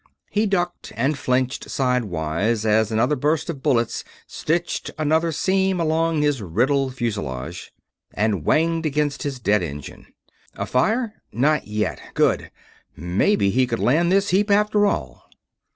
He ducked and flinched sidewise as another burst of bullets stitched another seam along his riddled fuselage and whanged against his dead engine. Afire? Not yet good! Maybe he could land the heap, after all!